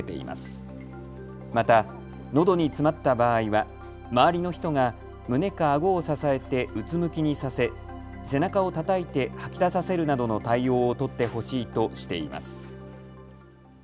またのどに詰まった場合は周りの人が胸かあごを支えてうつむきにさせ背中をたたいて吐き出させるなどの対応を取ってほしいとしています。